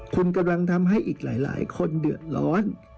คุณกำลังทำให้อีกหลายคนเดือดร้อน